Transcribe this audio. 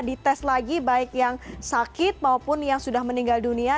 dites lagi baik yang sakit maupun yang sudah meninggal dunia